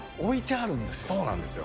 そうなんですよ。